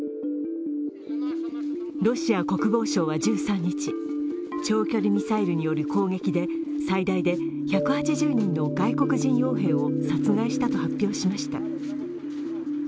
ロシア国防省は１３日、長距離ミサイルによる攻撃で最大で１８０人の外国人よう兵を殺害したと発表しました。